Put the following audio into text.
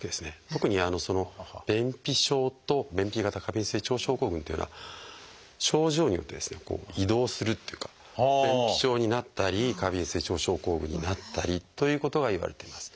特に「便秘症」と「便秘型過敏性腸症候群」っていうのは症状によって移動するっていうか便秘症になったり過敏性腸症候群になったりということはいわれています。